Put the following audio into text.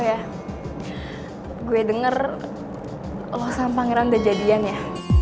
oh ya gue denger lo sama pangeran udah jadian ya